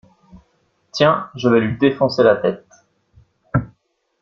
Tiens je vais lui défoncer la tête.